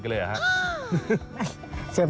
แม่เล็กครับ